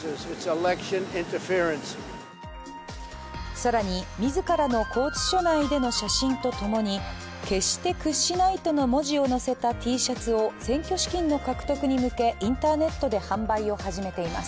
更に、自らの拘置所内での写真とともに「決して屈しない」との文字を載せたＴシャツを選挙資金の獲得に向け、インターネットで販売を始めています。